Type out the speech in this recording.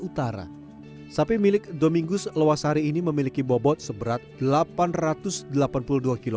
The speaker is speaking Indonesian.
utara sapi milik domingus lewasari ini memiliki bobot seberat delapan juta rupiah dan memiliki